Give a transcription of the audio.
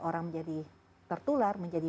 orang menjadi tertular menjadi